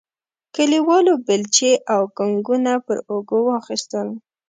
کلیوالو بیلچې او کنګونه پر اوږو واخیستل.